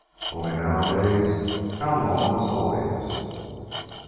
Only, nowadays, how long was "always"?